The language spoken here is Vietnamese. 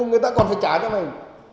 người ta còn phải trả cho mình